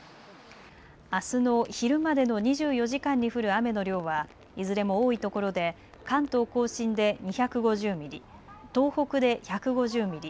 あすの昼までの２４時間に降る雨の量はいずれも多いところで関東甲信で２５０ミリ東北で１５０ミリ